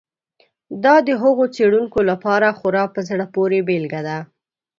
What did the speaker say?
دا د هغو څېړونکو لپاره خورا په زړه پورې بېلګه ده.